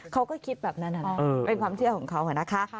เขาก็คิดแบบนั้นเป็นความเชื่อของเขานะคะ